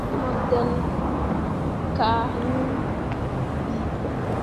Mo ɗǝn kah hiŋ bii.